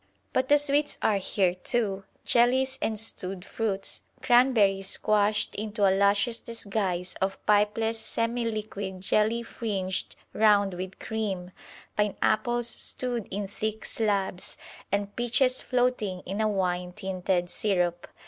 But the sweets are here too; jellies and stewed fruits, cranberries squashed into a luscious disguise of pipless semi liquid jelly fringed round with cream; pineapples stewed in thick slabs, and peaches floating in a wine tinted syrup.